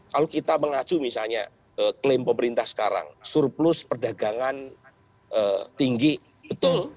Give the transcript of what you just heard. kalau kita mengacu misalnya klaim pemerintah sekarang surplus perdagangan tinggi betul